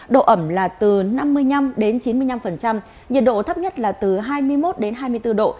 độ ẩm là từ năm mươi năm đến chín mươi năm nhiệt độ thấp nhất là từ hai mươi một đến hai mươi bốn độ